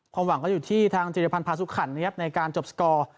หวังก็อยู่ที่ทางจิรพันธ์พาสุขันนะครับในการจบสกอร์